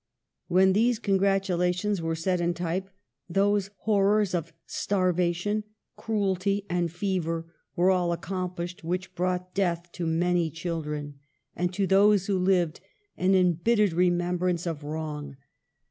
When these congratulations were set in type, those horrors of starvation, cruelty, and fever were all accom plished which brought death to many children, 42 EMILY BROiVTE. and to those that lived an embittering remem brance of wrong.